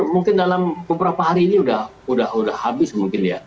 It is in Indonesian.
mungkin dalam beberapa hari ini sudah habis mungkin ya